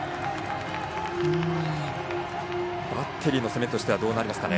バッテリーの攻めとしてはどうですかね。